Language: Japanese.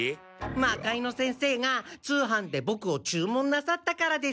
魔界之先生が通販でボクを注文なさったからです。